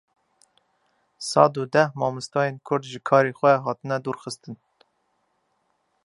Sed û deh mamosteyên Kurd ji karê xwe hatine dûrxistin.